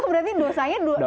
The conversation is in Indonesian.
itu berarti dosanya dobel ya